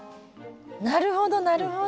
なるほどなるほど。